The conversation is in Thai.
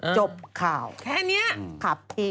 จบข่าวขับอีกแค่นี้